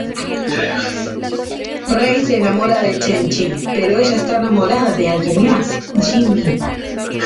Ray se enamora de Chen Chi, pero ella está enamorada de alguien más, Jimmy.